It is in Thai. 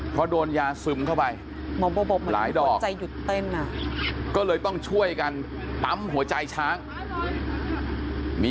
พอโดนยาสึมเข้าไป